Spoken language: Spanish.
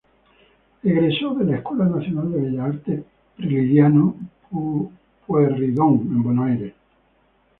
Egresó de la Escuela Nacional de Bellas Artes Prilidiano Pueyrredón en Buenos Aires.